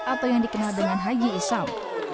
atau yang dikenal dengan haji isam